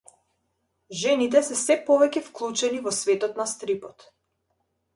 Жените се сѐ повеќе вклучени во светот на стрипот.